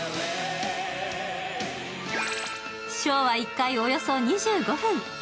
ショーは１回およそ２５分。